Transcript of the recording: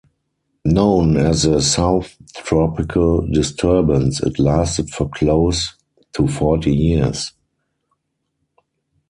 Known as the "South Tropical Disturbance" it lasted for close to forty years.